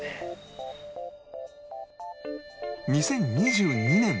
２０２２年は？